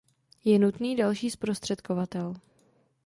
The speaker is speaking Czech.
Je nutný další zprostředkovatel.